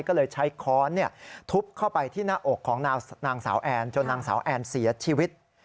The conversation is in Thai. ก็เลยใช้ค้อนทุบเข้าไปที่หน้าอกของนางสาวแอนจนนางสาวแอนเสียชีวิต